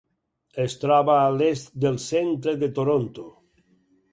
Es troba a l'est del centre de Toronto.